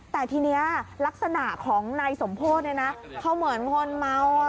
แต่ทีนี้ลักษณะของนายสมโพธิเนี่ยนะเขาเหมือนคนเมา